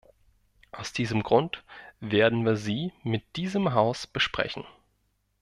Aus diesem Grund werden wir sie mit diesem Haus besprechen.